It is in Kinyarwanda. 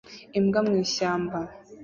Imbwa mu ishyamba